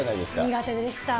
苦手でした。